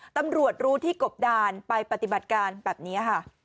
ตำรวจรู้ที่กบดานไปปฏิบัติการแบบนี้ค่ะ